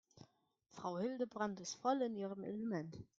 Frau Hildebrand ist voll in ihrem Element.